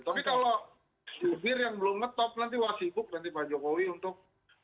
tapi kalau jubir yang belum ngetop nanti wah sibuk nanti pak jokowi untuk